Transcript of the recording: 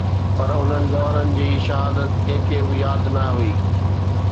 پر انهن جوانن جي شهادت ڪنهن کي به ياد نه هئي